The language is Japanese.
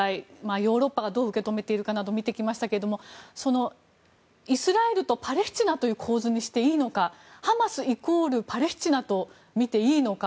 ヨーロッパがどう受けめているかなどを見てきましたけどもイスラエルとパレスチナという構図にしていいのかハマスイコールパレスチナと見ていいのか。